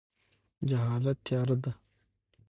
جهالت تیاره ده.